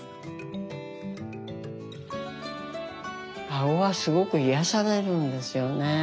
かごはすごく癒やされるんですよね。